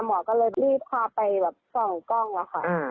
หมอก็เลยรีบพาไปแบบส่องกล้องอะค่ะ